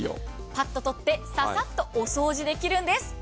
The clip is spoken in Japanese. パッと取ってささっとお掃除できるんです。